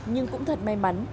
nhưng cũng thật may mắn